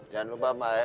jangan lupa mbah ya